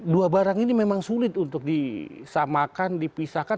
dua barang ini memang sulit untuk disamakan dipisahkan